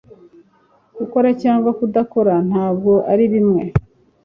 gukora cyangwa kudakora ntabwo ari bimwe